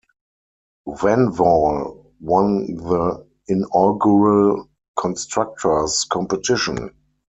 Vanwall won the inaugural Constructors' competition.